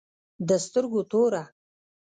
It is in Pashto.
د سترگو توره